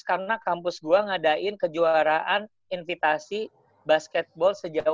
karena kampus gue ngadain kejuaraan invitasi basketball sejak tahun dua ribu